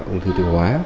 ông thư tử hóa